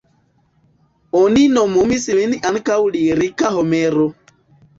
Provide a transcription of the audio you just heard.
Oni nomumis lin ankaŭ "lirika Homero".